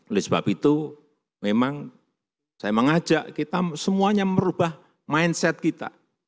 oleh sebab itu memang saya mengajak kita semuanya merubah mindset kita